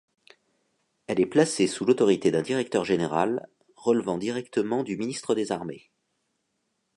Elle est placée sous l'autorité d'un directeur général relevant directement du ministre des Armées.